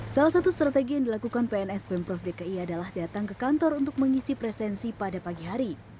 salah satu strategi yang dilakukan pns pemprov dki adalah datang ke kantor untuk mengisi presensi pada pagi hari